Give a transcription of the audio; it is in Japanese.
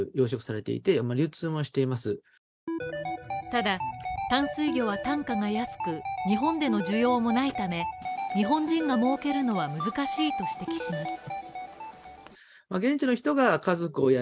ただ、淡水魚は単価が安く、日本での需要もないため、日本人が儲けるのは難しいと指摘します。